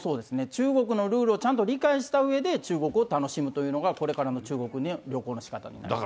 中国のルールをちゃんと理解したうえで、中国を楽しむというのが、これからの中国の旅行のしかたになります。